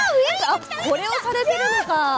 これをされてるのか。